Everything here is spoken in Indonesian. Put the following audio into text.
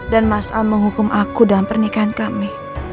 dan mas al menghukum aku dalam pernikahan kami